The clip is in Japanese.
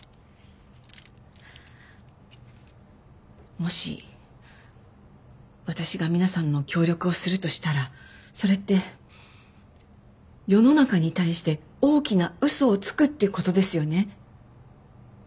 もし私が皆さんの協力をするとしたらそれって世の中に対して大きな嘘をつくっていうことですよね？